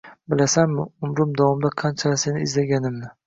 - Bilasanmi, umrim davomida qanchalar seni izlaganimni?!